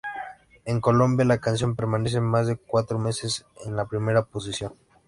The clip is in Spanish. En Colombia, la canción permanece más de cuatro meses en la primera posición.